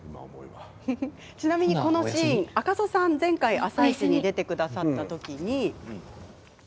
ちなみに、このシーン赤楚さん前回「あさイチ」に出てくださった時に。